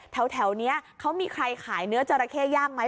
แถวนี้เขามีใครขายเนื้อจราเข้ย่างไหม